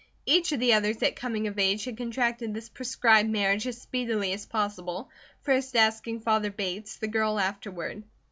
Each of the others at coming of age had contracted this prescribed marriage as speedily as possible, first asking father Bates, the girl afterward.